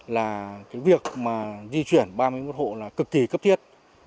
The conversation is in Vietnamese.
là cái việc mà di chuyển ba mươi một hộ là cực kỳ cấp thiết